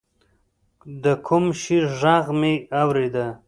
د کوم شي ږغ مې اورېده.